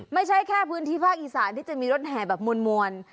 ไม่ใช่แค่พื้นที่ภาคอีสานที่จะมีรถแห่แบบมวล